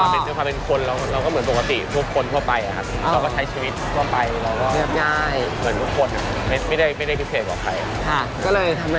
มันเหมือนหัวขวดเราอ่ะ